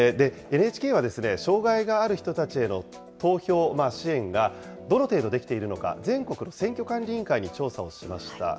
ＮＨＫは、障害がある人たちへの投票支援がどの程度できているのか、全国の選挙管理委員会に調査をしました。